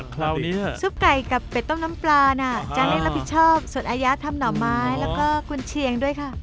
คราวนี้ซุปไก่กับเป็ดต้มน้ำปลาน่ะจะได้รับผิดชอบสดอายะทำหน่อไม้แล้วก็กุญเชียงด้วยค่ะ